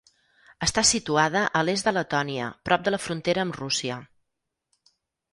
Està situada a l'est de Letònia prop de la frontera amb Rússia.